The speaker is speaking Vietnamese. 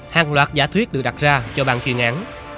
hàng loạt giả thuyết được đặt ra cho bàn chuyên án